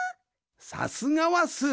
さすがはスー。